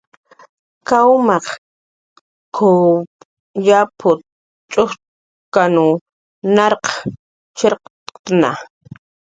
"Kawmaq kup kayup"" ch'ujchk""aw narq chirkatkipna"